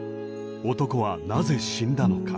男はなぜ死んだのか。